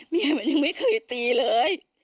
แม่มันยังไม่เคยตีเลย